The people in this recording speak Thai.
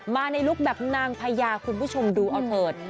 มาในลุคแบบนางพญาคุณผู้ชมดูเอาเถิด